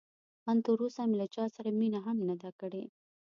ان تراوسه مې له چا سره مینه هم نه ده کړې.